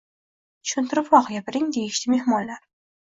Tushuntiribroq gapiring, deyishdi mehmonlar